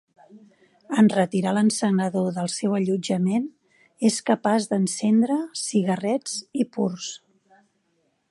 En retirar l'encenedor del seu allotjament, és capaç d'encendre cigarrets i purs.